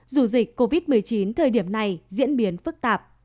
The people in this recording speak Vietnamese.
dù dịch covid một mươi chín thời điểm này diễn biến phức tạp